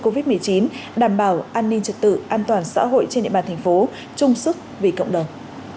covid một mươi chín đảm bảo an ninh trật tự an toàn xã hội trên địa bàn thành phố chung sức vì cộng đồng